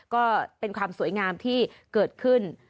ก็เป็นความสวยงามที่เกิดขึ้น